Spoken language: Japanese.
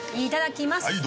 いただきます。